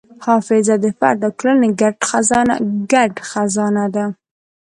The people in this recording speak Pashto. حافظه د فرد او ټولنې ګډ خزانه ده.